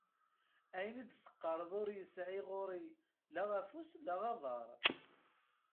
Ayen i d-teqqareḍ ur yesɛi ɣur-i la afus la aḍar.